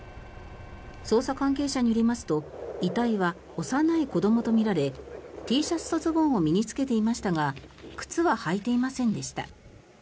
捜査関係者によりますと遺体は幼い子どもとみられＴシャツとズボンを身に着けていましたが靴は履いていませんでした。